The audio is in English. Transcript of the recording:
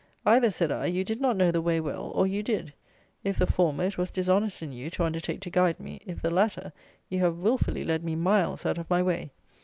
"Either," said I, "you did not know the way well, or you did: if the former, it was dishonest in you to undertake to guide me: if the latter, you have wilfully led me miles out of my way."